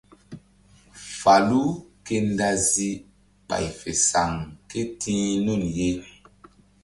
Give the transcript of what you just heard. Falu ke dazi bay fe saŋ kéti̧h nun ye.